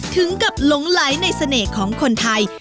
ถึงกับหลงไหลในเสน่ห์ของคนไทย